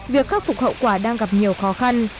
việc khắc phục hậu quả đang gặp nhiều khó khăn